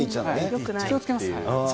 気をつけます。